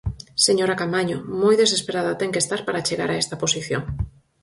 Señora Caamaño, moi desesperada ten que estar para chegar a esta posición.